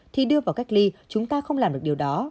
thì đưa vào cách ly chúng ta không làm được điều đó